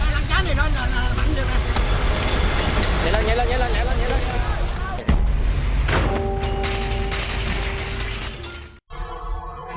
nhanh lên nhanh lên nhanh lên nhanh lên